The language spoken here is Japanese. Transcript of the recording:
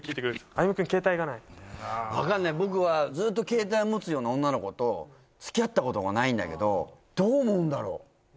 「あゆむ君携帯がない」みたいな分かんない僕はずっと携帯持つような女の子と付き合ったことがないんだけどどう思うんだろう？